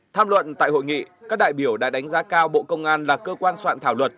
tham luận tại hội nghị các đại biểu đã đánh giá cao bộ công an là cơ quan soạn thảo luật